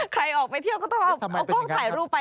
ใครออกไปเที่ยวก็ต้องเอากล้องถ่ายรูปไป